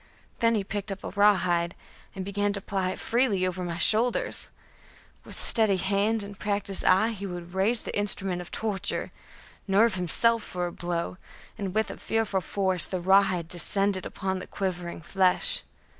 Then he picked up a rawhide, and began to ply it freely over my shoulders. With steady hand and practised eye he would raise the instrument of torture, nerve himself for a blow, and with fearful force the rawhide descended upon the quivering flesh.